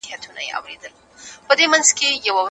هغې وویل ځینې خلک د نورو پرتله د ساړه زغملو وړتیا لري.